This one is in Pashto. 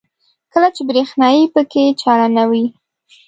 کله چې برېښنايي پکې چالانوي.